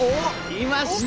いました！